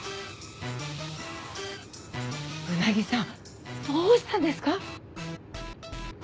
うなぎさんどうしたんですか？